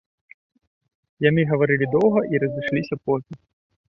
Яны гаварылі доўга і разышліся позна.